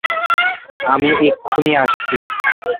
আমি এক্ষুনি আসছি।